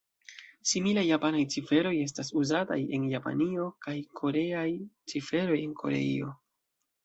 Similaj japanaj ciferoj estas uzataj en Japanio kaj koreaj ciferoj en Koreio.